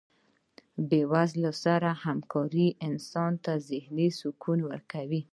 د بې وزلو سره هکاري انسان ته ذهني سکون ورکوي.